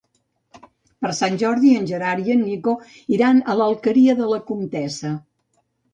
Per Sant Jordi en Gerard i en Nico iran a l'Alqueria de la Comtessa.